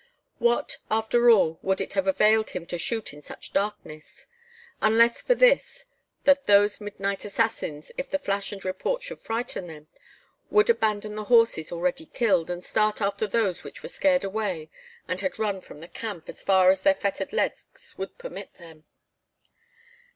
What, after all, would it have availed him to shoot in such darkness? Unless for this, that those midnight assassins, if the flash and report should frighten them, would abandon the horses already killed, and start after those which were scared away and had run from the camp as far as their fettered legs would permit them.